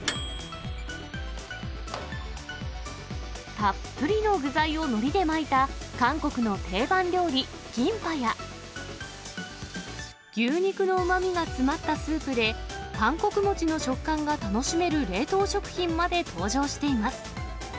たっぷりの具材をのりで巻いた韓国の定番料理、キンパや、牛肉のうまみが詰まったスープで、韓国餅の食感が楽しめる冷凍食品まで登場しています。